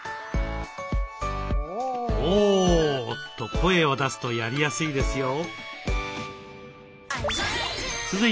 「オー」と声を出すとやりやすいですよ。